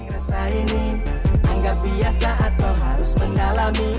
saya merasa ini anggap biasa atau harus mendalami